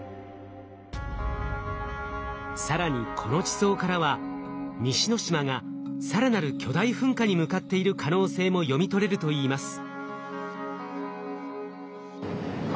更にこの地層からは西之島が更なる巨大噴火に向かっている可能性も読み取れるといいます。